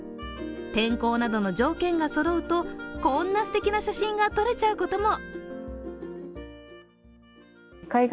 天候などの条件がそろうとこんなすてきな写真が撮れちゃうことも。